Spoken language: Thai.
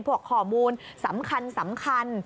พวกข้อมูลสำคัญ